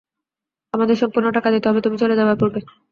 আমাদের সম্পূর্ণ টাকা দিতে হবে, - তুমি চলে যাবার পূর্বে।